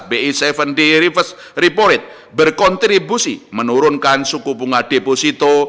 bi tujuh puluh reference report berkontribusi menurunkan suku bunga deposito